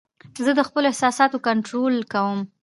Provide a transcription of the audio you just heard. زه د خپلو احساساتو کنټرول کوم.